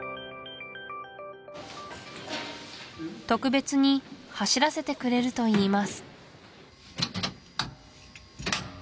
特別に走らせてくれるといいます